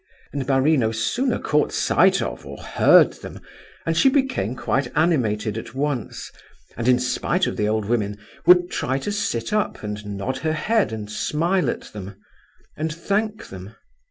_' and Marie no sooner caught sight of, or heard them, and she became quite animated at once, and, in spite of the old women, would try to sit up and nod her head and smile at them, and thank them.